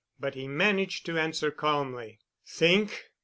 But he managed to answer calmly. "Think!